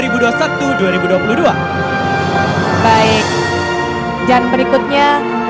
baik dan berikutnya